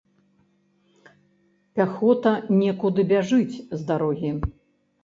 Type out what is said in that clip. Пяхота некуды бяжыць з дарогі.